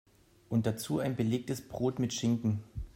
Und dazu ein belegtes Brot mit Schinken.